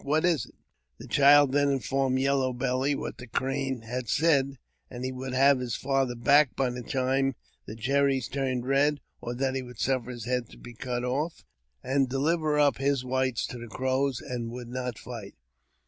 what is it?" The child then informed Yellow Belly what the Crane hi said — that he would have his father back by the time t! cherries turned red, or that he would suffer his head to be off, and deliver up his whites to the Crows, and would ni fight.